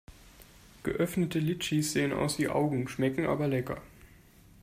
Geöffnete Litschis sehen aus wie Augen, schmecken aber lecker.